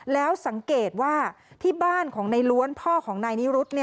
แล้วสังเกตว่าที่บ้านของในล้วนพ่อของนายนิรุธ